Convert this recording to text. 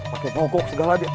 pakai mogok segala dia